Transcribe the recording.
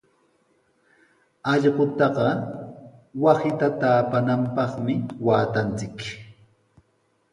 Allqutaqa wasita taapananpaqmi waatanchik.